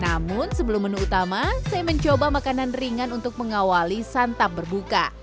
namun sebelum menu utama saya mencoba makanan ringan untuk mengawali santap berbuka